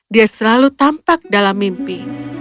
dia selalu tampak dalam mimpi